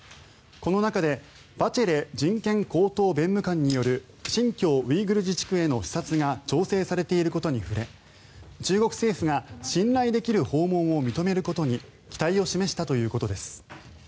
この中でバチェレ人権高等弁務官による新疆ウイグル自治区への視察が調整されていることに触れ中国政府が信頼できる訪問を認めることに期待を示したということです。